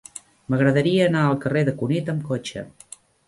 M'agradaria anar al carrer de Cunit amb cotxe.